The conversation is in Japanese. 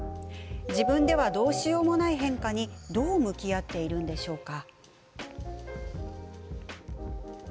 自分ではどうしようもない変化にどう向き合っているんでしょうか。